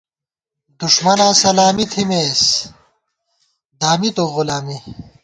دُݭمَناں سلامی تھِمېس ، دامِتُوؤ غلامی